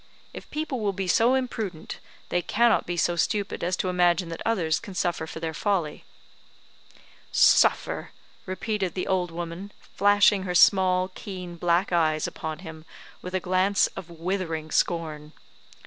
If people will be so imprudent, they cannot be so stupid as to imagine that others can suffer for their folly." "Suffer!" repeated the old woman, flashing her small, keen black eyes upon him with a glance of withering scorn.